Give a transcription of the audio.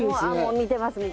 見てます。